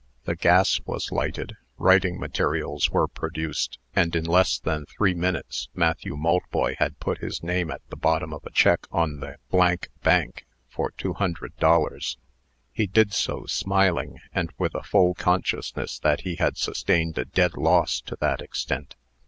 The gas was lighted, writing materials were produced, and, in less than three minutes, Matthew Maltboy had put his name at the bottom of a check on the Bank, for two hundred dollars. He did so smiling, and with a full consciousness that he had sustained a dead loss to that extent.